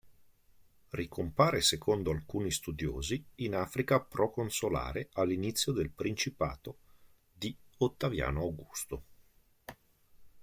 Ricompare secondo alcuni studiosi in Africa proconsolare all'inizio del principato di Ottaviano Augusto.